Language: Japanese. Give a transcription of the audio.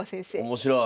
面白い。